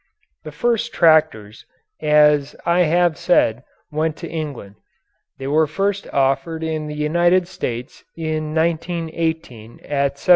The first tractors, as I have said, went to England. They were first offered in the United States in 1918 at $750.